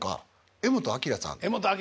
柄本明さん。